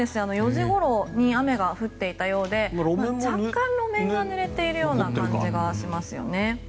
４時ごろに雨が降っていたようで若干、路面が濡れているような感じがしますよね。